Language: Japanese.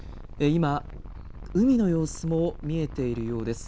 今、海の様子も見えているようです。